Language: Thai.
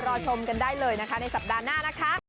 รอชมกันได้เลยนะคะในสัปดาห์หน้านะคะ